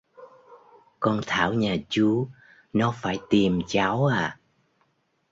Con Thảo nhà chú nó phải tìm cháu à